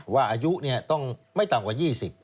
ว่าอายุเนี่ยต้องไม่ต่างกว่า๒๐